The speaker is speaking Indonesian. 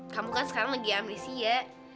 kamu kan sekarang lagi amnesia